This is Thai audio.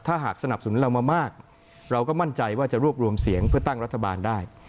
ถ้าหากสนับสนุนเรามามากเราก็มั่นใจว่าจะรวบรวมเสียงเพื่อตั้งรัฐบาลได้